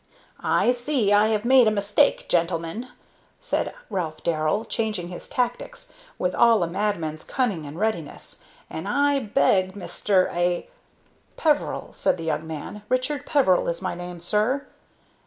"I see I have made a mistake, gentlemen," said Ralph Darrell, changing his tactics with all a madman's cunning and readiness. "And I beg Mister a " "Peveril," said the young man "Richard Peveril is my name, sir."